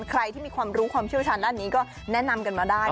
ใครที่มีความรู้ความเชี่ยวชาญด้านนี้ก็แนะนำกันมาได้